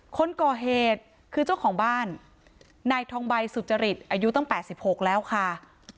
คนก่อเหตุคือเจ้าของบ้านนายทองใบสุจริตอายุตั้ง๘๖แล้วค่ะ